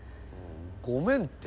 ごめんて。